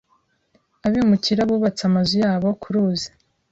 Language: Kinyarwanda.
Abimukira bubatse amazu yabo ku ruzi.